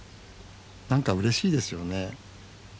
何かうれしいですよね。